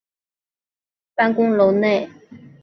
不来梅足协的总部设于不来梅威悉体育场的办公楼内。